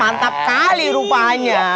mantap kali rupanya